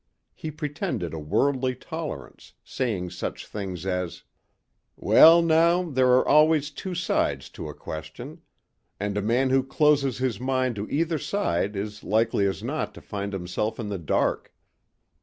He pretended a worldly tolerance, saying such things as: "Well now, there are always two sides to a question. And a man who closes his mind to either side is likely as not to find himself in the dark.